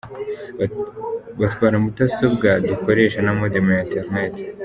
Batwara Mudasobwa dukoresha na Modem ya Internet.